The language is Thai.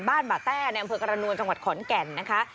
บ่าแต้ในอำเภอกรณวลจังหวัดขอนแก่นนะคะ